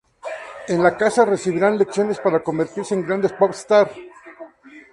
En la casa recibirán lecciones para convertirse en grandes pop stars.